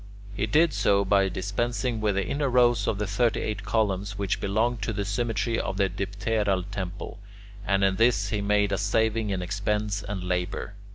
He did so by dispensing with the inner rows of thirty eight columns which belonged to the symmetry of the dipteral temple, and in this way he made a saving in expense and labour.